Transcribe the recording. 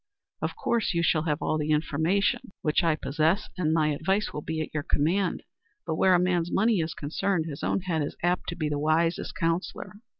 Of course you shall have all the information which I possess and my advice will be at your command, but where a man's money is concerned his own head is apt to be the wisest counsellor.